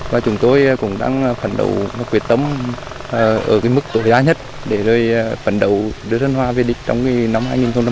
và chúng tôi cũng đang phấn đấu và quyết tâm ở mức tối đa nhất để phấn đấu đưa sơn hòa về đích trong năm hai nghìn năm mươi bảy